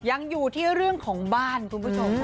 ยังอยู่ที่เรื่องของบ้านคุณผู้ชม